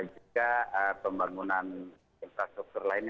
juga pembangunan infrastruktur lainnya